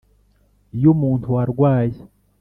y’umuntu warwaye